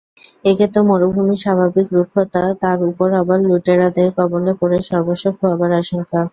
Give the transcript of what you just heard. একে তো মরুভূমির স্বাভাবিক রুক্ষতা তার উপর আবার লুটেরাদের কবলে পড়ে সর্বস্ব খোয়াবার আশঙ্কা।